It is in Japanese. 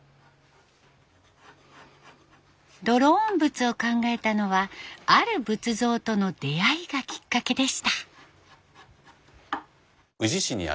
ドローン仏を考えたのはある仏像との出会いがきっかけでした。